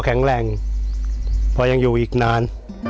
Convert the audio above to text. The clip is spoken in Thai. แข็งแรงพอยังอยู่อีกนาน